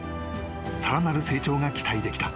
［さらなる成長が期待できた］